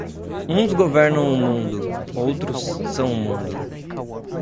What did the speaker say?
Uns governam o mundo, outros são o mundo.